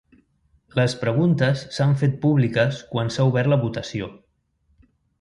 Les preguntes s’han fet públiques quan s’ha obert la votació.